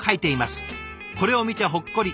これを見てほっこり。